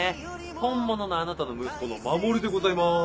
本物のあなたの息子の守でございます！